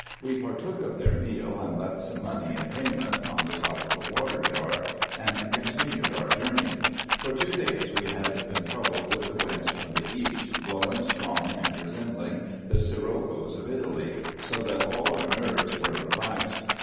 We partook of their meal, and left some money in payment, on the top of a water jar, and continued our journey. For two days we had been troubled with the winds from the east, blowing strong and re sembling the siroccos of Italy, so that all our nerves were relaxed.